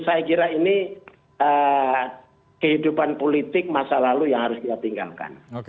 saya kira ini kehidupan politik masa lalu yang harus kita tinggalkan